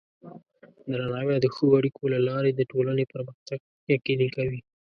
درناوی د ښو اړیکو له لارې د ټولنې پرمختګ یقیني کوي.